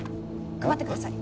配ってください。